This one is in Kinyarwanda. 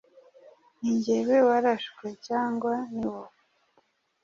Ni njyewe warashwe cyangwa ni wowe